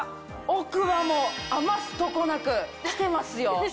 奥歯も余すとこなく来てますよ。